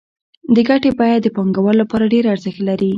د ګټې بیه د پانګوال لپاره ډېر ارزښت لري